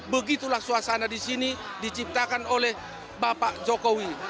begitulah suasana di sini diciptakan oleh bapak jokowi